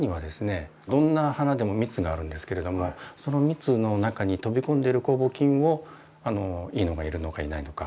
どんな花でも蜜があるんですけれどもその蜜の中に飛び込んでる酵母菌をいいのがいるのかいないのか。